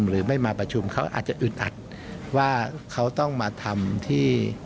หรือไม่มาประชุมเขาอาจจะอึดอัดว่าเขาต้องมาทำที่